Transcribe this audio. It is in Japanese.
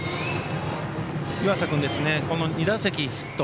湯浅君、２打席ヒット。